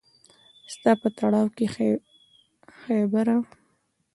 ستا په تړو کښې خېبره